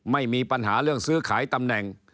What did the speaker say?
ไม่มีปัญหาเรื่องซื้อขายตำแหน่ง